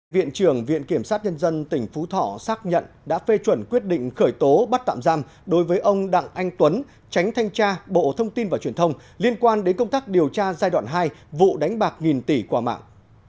viện trưởng viện kiểm sát nhân dân tỉnh phú thọ xác nhận đã phê chuẩn quyết định khởi tố bắt tạm giam đối với ông đặng anh tuấn tránh thanh tra bộ thông tin và truyền thông liên quan đến công tác điều tra giai đoạn hai vụ đánh bạc nghìn tỷ qua mạng